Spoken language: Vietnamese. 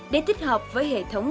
để tích hợp với hệ thống